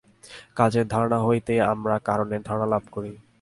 কার্যের ধারণা হইতেই আমরা কারণের ধারণা লাভ করি।